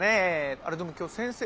あれでも今日先生。